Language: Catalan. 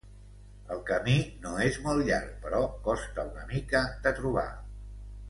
El camí no és molt llarg però costa una mica de trobar.